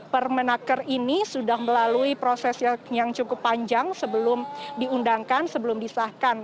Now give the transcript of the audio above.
permenaker ini sudah melalui proses yang cukup panjang sebelum diundangkan sebelum disahkan